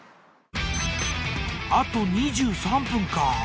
あと２３分かぁ。